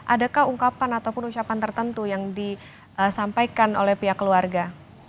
adakah ungkapan ataupun ucapan tertentu yang disampaikan oleh pihak keluarga